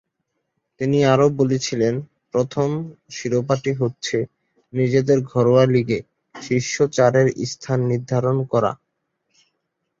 তিনি আরও বলেছিলেন, "প্রথম শিরোপাটি হচ্ছে নিজেদের ঘরোয়া লীগে শীর্ষ চারে স্থান নির্ধারণ করা"।